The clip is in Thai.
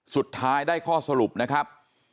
สุดท้ายได้ข้อสรุปนะครับ